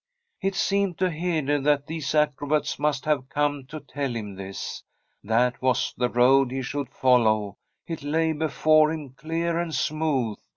It seemed to Hede that these acrobats must have come to tell him this. That was the road he should follow; it lay before him clear and smooth.